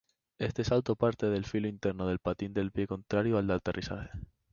Este salto parte del filo interno del patín del pie contrario al de aterrizaje.